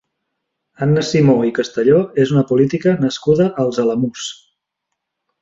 Anna Simó i Castelló és una política nascuda als Alamús.